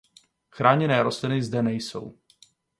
Chráněné rostliny zde nejsou.